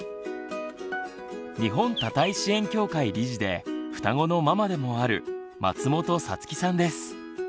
日本多胎支援協会理事でふたごのママでもある松本彩月さんです。